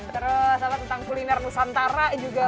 terus tentang kuliner nusantara juga